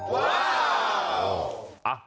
ว้าว